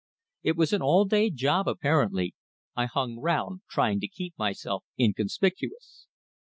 It was an all day job, apparently; I hung round, trying to keep myself inconspicuous.